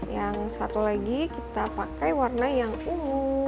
yang satu lagi kita pakai warna yang ungu